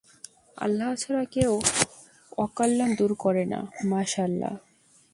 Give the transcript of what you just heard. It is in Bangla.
আল্লাহ ছাড়া কেউ অকল্যাণ দূর করে না-মাশাআল্লাহ।